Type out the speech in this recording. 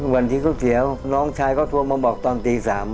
วันที่เขาเสียวน้องชายเขาโทรมาบอกตอนตี๓